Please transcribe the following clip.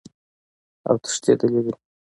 اوتښتیدلی دي